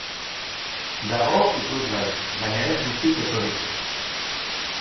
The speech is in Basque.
Dago ikusgai, baina ez guztiz osorik.